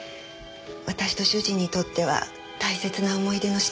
私と主人にとっては大切な思い出の品なんです。